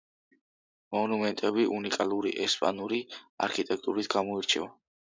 მონუმენტები უნიკალური, ესპანური არქიტექტურით გამოირჩევა.